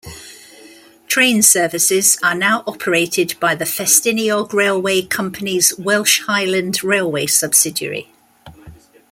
Train services are now operated by the Festiniog Railway Company's Welsh Highland Railway subsidiary.